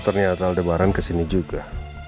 ternyata aldebaran kesini juga